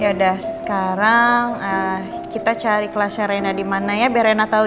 yaudah sekarang kita cari kelasnya rena dimana ya biar rena tau ya